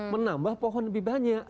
menambah pohon lebih banyak